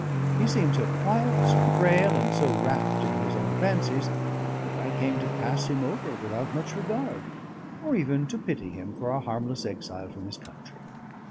He seemed so quiet, so frail, and so wrapped in his own fancies, that I came to pass him over without much regard, or even to pity him for a harmless exile from his country.